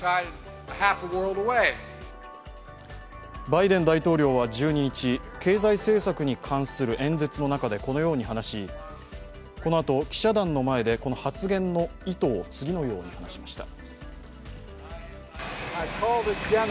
バイデン大統領は１２日経済政策に関する演説の中でこのように話しこの後、記者団の前で発言の意図を次のように話しました。